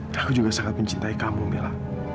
dan aku juga sangat mencintaikamu mila